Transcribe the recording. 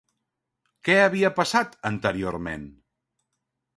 Què havia passat, anteriorment?